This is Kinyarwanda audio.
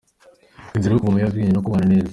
Inzira yo kuva mu biyobwabwenge no kubana neza.